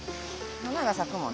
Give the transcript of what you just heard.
花が咲くもんね。